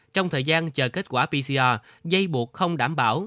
trong thời gian chờ kết quả pcr dây buộc không đảm bảo